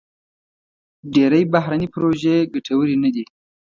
ډېری بهرني پروژې ګټورې نه دي.